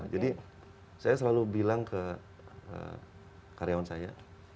jadi saya selalu bilang ke karyawan saya